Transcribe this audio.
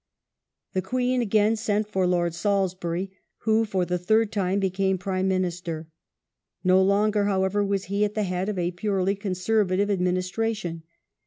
llie Queen again sent for Lord Salisbury, who for the third The time became Prime Minister. No longer, however, was he at the MhliSry, head of a purely Conservative Administration.